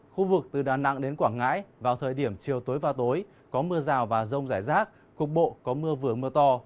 khu vực từ đà nẵng đến quảng ngãi vào thời điểm chiều tối và tối có mưa rào và rông rải rác cục bộ có mưa vừa mưa to